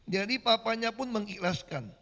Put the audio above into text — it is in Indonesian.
jadi papanya pun mengikhlaskan